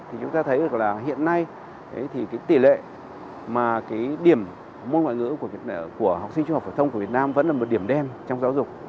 thì chúng ta thấy được là hiện nay thì cái tỷ lệ mà cái điểm môn ngoại ngữ của học sinh trung học phổ thông của việt nam vẫn là một điểm đen trong giáo dục